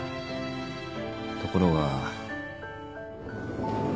ところが。